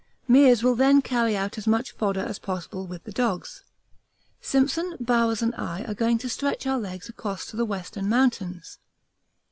Meares will then carry out as much fodder as possible with the dogs. Simpson, Bowers, and I are going to stretch our legs across to the Western Mountains.